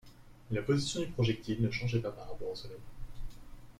La position du projectile ne changeait pas par rapport au Soleil.